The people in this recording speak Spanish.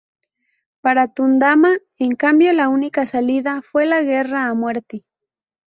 Para Tundama, en cambio, la única salida fue la guerra a muerte.